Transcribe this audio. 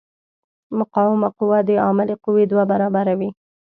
مقاومه قوه د عاملې قوې دوه برابره وي.